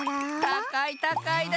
たかいたかいだ！